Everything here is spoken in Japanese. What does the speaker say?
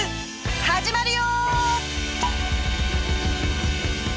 始まるよ！